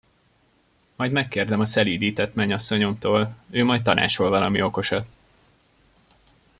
Majd megkérdem a szelídített menyasszonyomtól, ő majd tanácsol valami okosat.